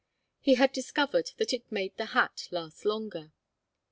He had discovered that it made the hat last longer.